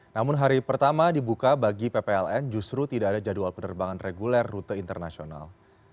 namun hari pertama dibuka bagi ppln justru tidak ada jadwal penerbangan reguler rute internasional